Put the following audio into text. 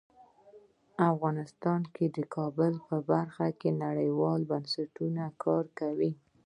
افغانستان د کابل په برخه کې نړیوالو بنسټونو سره کار کوي.